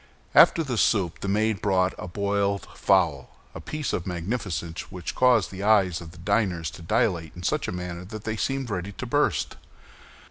After the soup the maid brought a boiled fowl—a piece of magnificence which caused the eyes of the diners to dilate in such a manner that they seemed ready to burst.